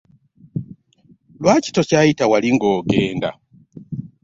Lwaki tokyayita wali nga ogenda?